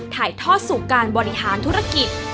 ถ่ายทอดสู่การบริหารธุรกิจ